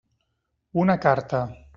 Una carta.